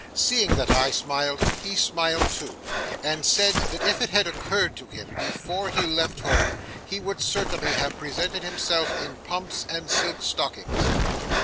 Seeing that I smiled, he smiled too, and said that if it had occurred to him before he left home, he would certainly have presented himself in pumps and silk stockings.